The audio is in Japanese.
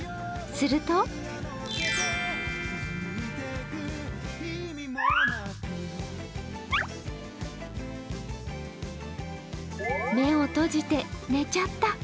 すると目を閉じて寝ちゃった。